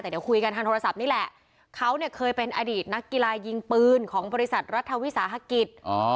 แต่เดี๋ยวคุยกันทางโทรศัพท์นี่แหละเขาเนี่ยเคยเป็นอดีตนักกีฬายิงปืนของบริษัทรัฐวิสาหกิจ